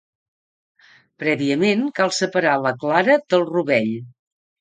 Prèviament, cal separar la clara del rovell.